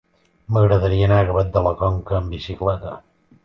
M'agradaria anar a Gavet de la Conca amb bicicleta.